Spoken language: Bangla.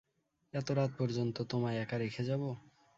এত রাত পর্যন্ত তোমায় একা রেখে যাব?